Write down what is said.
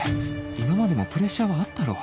今までもプレッシャーはあったろ？